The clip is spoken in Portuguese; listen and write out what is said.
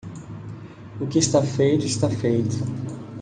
O que está feito está feito